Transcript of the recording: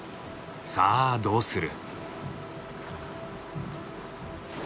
さあどうする？